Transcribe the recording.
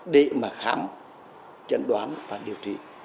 để mà khám cháu